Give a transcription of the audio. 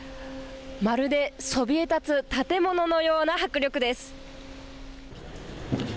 まるでそびえ立つ建物のような迫力です。